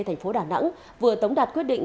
thành phố đà nẵng vừa tống đạt quyết định